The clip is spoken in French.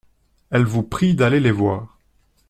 Elles vous prient d’aller les voir.